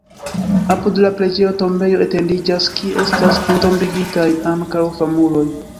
Apud la preĝejo tombejo etendiĝas, kie estas entombigitaj ankaŭ famuloj.